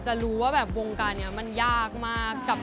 จะรู้ว่าแบบวงการนี้มันยากมาก